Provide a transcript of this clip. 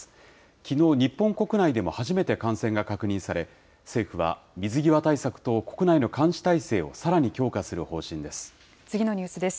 きのう、日本国内でも初めて感染が確認され、政府は水際対策と、国内の監視体制をさらに強化する方針です。